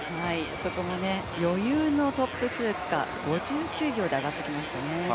そこも余裕のトップ通過、５９秒で上がってきましたね。